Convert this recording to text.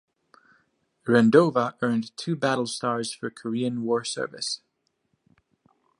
"Rendova" earned two battle stars for Korean war service.